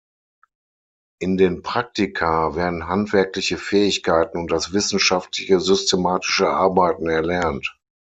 In den Praktika werden handwerkliche Fähigkeiten und das wissenschaftliche, systematische Arbeiten erlernt.